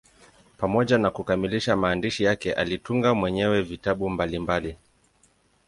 Pamoja na kukamilisha maandishi yake, alitunga mwenyewe vitabu mbalimbali.